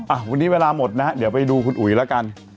อ่ะวันนี้เวลาหมดนะฮะเดี๋ยวไปดูคุณอุ๋ยแล้วกัน